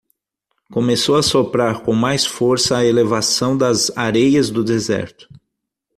Começou a soprar com mais força a elevação das areias do deserto.